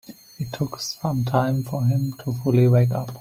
It took some time for him to fully wake up.